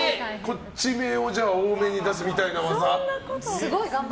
こっちを多めに出すみたいな技？